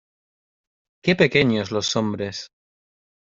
¡Qué pequeños los hombres!